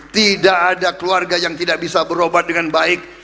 tidak ada keluarga yang tidak bisa berobat dengan baik